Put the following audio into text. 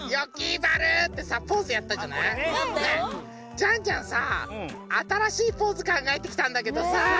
ジャンジャンさあたらしいポーズかんがえてきたんだけどさ。